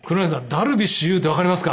ダルビッシュ有ってわかりますか？